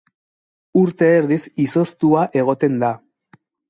Urte erdiz izoztua egoten da.